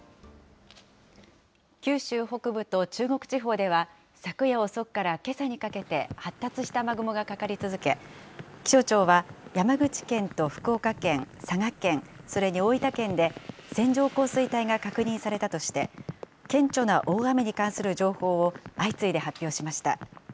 九州北部と中国地方では、昨夜遅くからけさにかけて、発達した雨雲がかかり続け、気象庁は山口県と福岡県、佐賀県、それに大分県で、線状降水帯が確認されたとして、顕著な大雨に関する情報を相次いで発表しました。